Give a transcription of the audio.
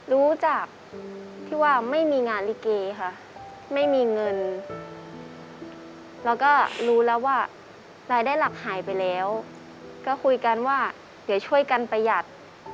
รู้จักที่ว่าไม่มีงานลิเกค่ะไม่มีเงินแล้วก็รู้แล้วว่ารายได้หลักหายไปแล้วก็คุยกันว่าเดี๋ยวช่วยกันประหยัด